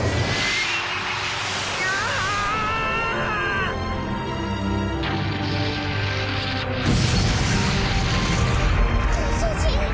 あ‼ご主人！